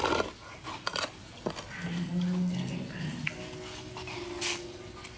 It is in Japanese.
「必ず守ってあげるから」って。